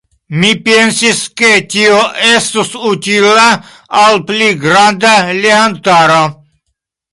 Mi pensis, ke tio estus utila al pli granda legantaro.